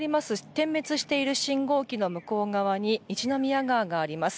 点滅している信号機の向こう側に一宮川があります。